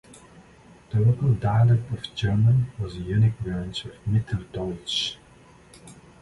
The local dialect of German was a unique branch of "Mitteldeutsch".